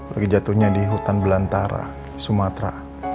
bagi jatuhnya di hutan belantara sumatera